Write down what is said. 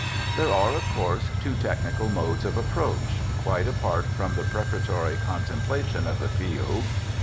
There are, of course, two technical modes of approach, quite apart from the preparatory contemplation of the field.